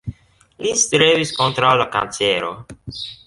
Li strebis kontraŭ la kancero.